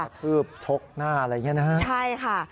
ทืบชกหน้าอะไรอย่างนี้นะฮะใช่ค่ะ